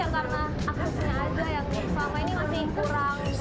yang jadi kendala itu karena aksesnya saja yang sama ini masih kurang